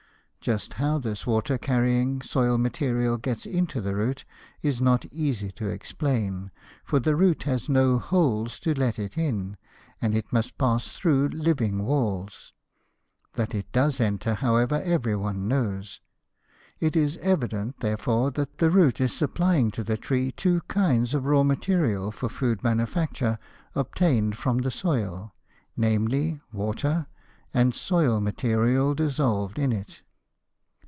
Just how this water carrying soil material gets into the root is not easy to explain, for the root has no holes to let it in, and it must pass through living walls. That it does enter, however, every one knows. It is evident, therefore, that the root is supplying to the tree two kinds of raw material for food manufacture obtained from the soil, namely, water and soil material dissolved in it.